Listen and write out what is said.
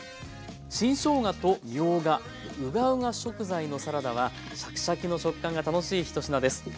新しょうがとみょうがうがうが食材のサラダはシャキシャキの食感が楽しい１品です。